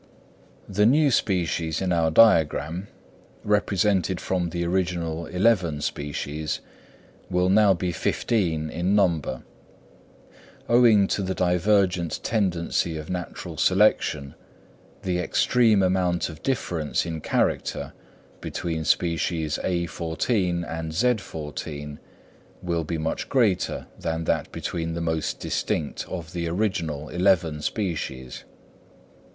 The new species in our diagram, descended from the original eleven species, will now be fifteen in number. Owing to the divergent tendency of natural selection, the extreme amount of difference in character between species _a_14 and _z_14 will be much greater than that between the most distinct of the original eleven species.